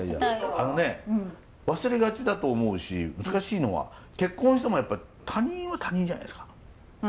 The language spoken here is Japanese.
あのね忘れがちだと思うし難しいのは結婚してもやっぱ他人は他人じゃないですかうんうん。